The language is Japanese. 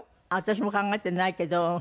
私も考えてないけど。